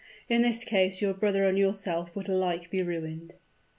In this case your brother and yourself would alike be ruined.